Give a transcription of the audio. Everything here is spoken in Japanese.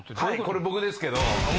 これ僕ですけど。